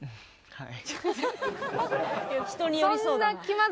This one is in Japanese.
「はい」。